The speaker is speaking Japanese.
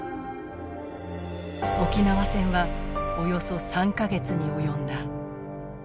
沖縄戦はおよそ３か月に及んだ。